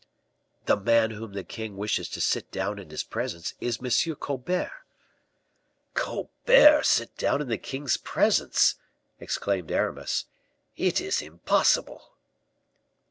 "The man whom the king wishes to sit down in his presence is M. Colbert." "Colbert sit down in the king's presence!" exclaimed Aramis. "It is impossible."